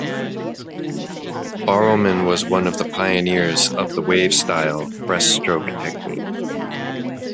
Barrowman was one of the pioneers of the "wave-style" breaststroke technique.